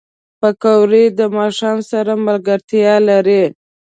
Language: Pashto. پکورې د ماښام سره ملګرتیا لري